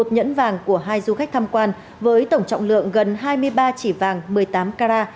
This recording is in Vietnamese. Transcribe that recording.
một nhẫn vàng của hai du khách tham quan với tổng trọng lượng gần hai mươi ba chỉ vàng một mươi tám carat